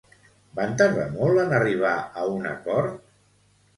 Van tardar molt en arribar a un acord?